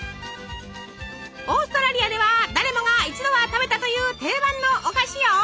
オーストラリアでは誰もが一度は食べたという定番のお菓子よ。